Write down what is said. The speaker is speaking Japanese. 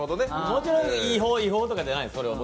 もちろん違法とかじゃないですよ。